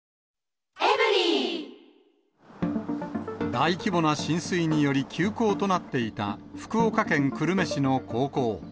大規模な浸水により、休校となっていた、福岡県久留米市の高校。